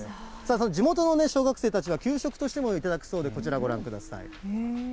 地元の小学生たちは、給食としても頂くそうで、こちらご覧ください。